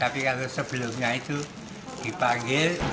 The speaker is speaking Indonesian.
tapi kalau sebelumnya itu dipanggil